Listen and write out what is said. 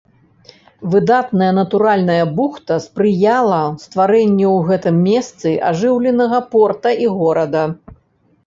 Выдатная натуральная бухта спрыяла стварэнню ў гэтым месцы ажыўленага порта і горада.